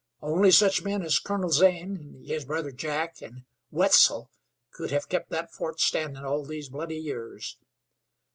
Only such men as Colonel Zane, his brother Jack, and Wetzel could hev kept that fort standin' all these bloody years.